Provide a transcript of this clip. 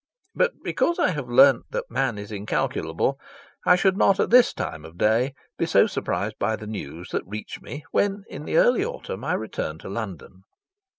But because I have learnt that man is incalculable, I should not at this time of day be so surprised by the news that reached me when in the early autumn I returned to London.